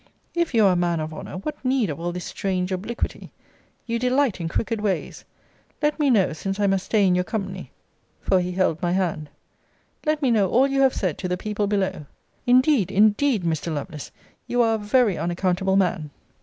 If you are a man of honour, what need of all this strange obliquity? You delight in crooked ways let me know, since I must stay in your company (for he held my hand), let me know all you have said to the people below. Indeed, indeed, Mr. Lovelace, you are a very unaccountable man.